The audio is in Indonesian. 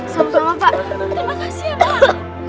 satu sama pak terima kasih ya pak